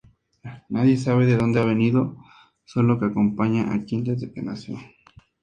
Nadie sabe de donde ha venido, solo, que acompaña a Quinn desde que nació.